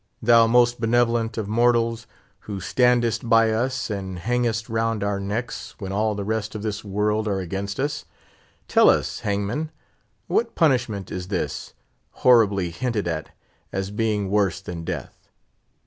Thou most benevolent of mortals, who standest by us, and hangest round our necks, when all the rest of this world are against us—tell us, hangman, what punishment is this, horribly hinted at as being worse than death?